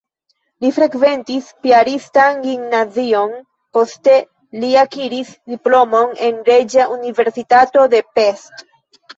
Li frekventis piaristan gimnazion, poste li akiris diplomon en Reĝa Universitato de Pest.